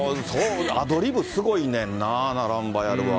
アドリブすごいねんなぁ、ナランバヤルは。